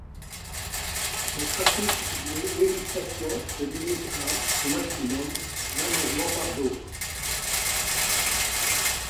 Le trafic d'une hélistation se limite à, au maximum, vingt mouvements par jour.